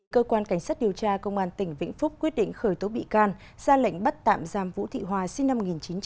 cơ quan cảnh sát điều tra công an tỉnh vĩnh phúc quyết định khởi tố bị can ra lệnh bắt tạm giam vũ thị hòa sinh năm một nghìn chín trăm tám mươi